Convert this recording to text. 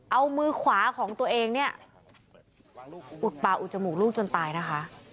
เอามือขวาของตัวเองเนี่ยอุดป่าอุดจมูกลูกจนตายนะคะ